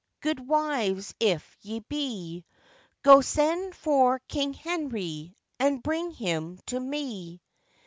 Good wives if ye be, Go, send for King Henrie, And bring him to me.